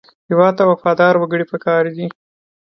هېواد ته وفادار وګړي پکار دي